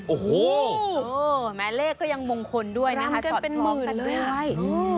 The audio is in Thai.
โอ้โหแม้เลขก็ยังมงคลด้วยนะคะรำกันเป็นหมื่นเลยสอดพร้อมกันเลย